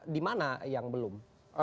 di mana yang belum